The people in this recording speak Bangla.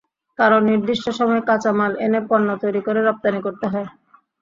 কারণ, নির্দিষ্ট সময়ে কাঁচামাল এনে পণ্য তৈরি করে রপ্তানি করতে হয়।